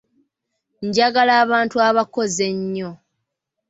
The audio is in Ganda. Njagala abantu abakozi ennyo.